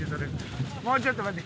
もうちょっと待て。